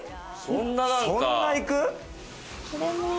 そんな行く？